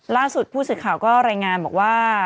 ล่าสุดผู้สื่อข่าวก็รายงานบอกว่า